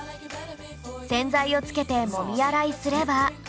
洗剤をつけてもみ洗いすれば